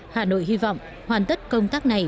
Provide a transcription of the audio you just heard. hà nội hy vọng hoàn tất công tác này